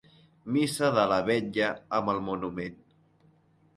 Missa de la vetlla amb el Monument.